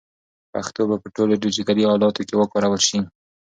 پښتو به په ټولو ډیجیټلي الاتو کې وکارول شي.